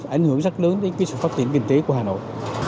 ảnh hưởng rất lớn đến sự phát triển kinh tế của hà nội